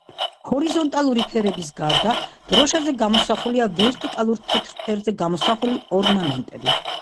ჰორიზონტალური ფერების გარდა, დროშაზე გამოსახულია ვერტიკალურ თეთრ ფერზე გამოსახული ორნამენტები.